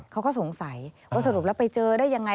เขาก็สงสัยว่าสรุปแล้วไปเจอได้ยังไง